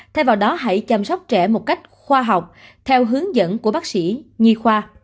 thay vào đó hãy chăm sóc trẻ một cách khoa học theo hướng dẫn của bác sĩ nhi khoa